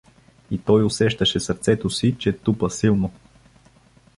И той усещаше сърцето си, че тупа силно.